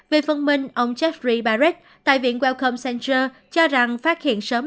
về phân minh ông jeffrey barrett tại viện welcome center cho rằng phát hiện sớm